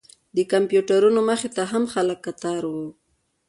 د کمپیوټرونو مخې ته هم خلک کتار و.